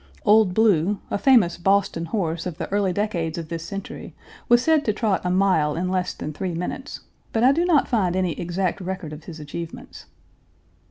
"Old Blue," a famous Boston horse of the early decades of this century, was said to trot a mile in less than three minutes, but I do not find any exact record of his achievements.